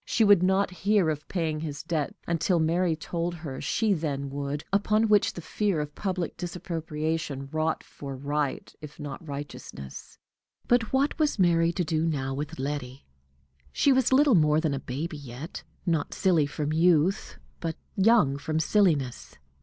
She would not hear of paying his debts until Mary told her she then would, upon which the fear of public disapprobation wrought for right if not righteousness. But what was Mary to do now with Letty? She was little more than a baby yet, not silly from youth, but young from silliness.